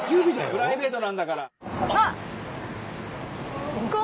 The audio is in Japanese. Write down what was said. プライベートなんだから！